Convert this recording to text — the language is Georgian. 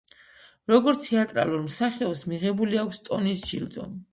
როგორც თეატრალურ მსახიობს, მიღებული აქვს ტონის ჯილდო.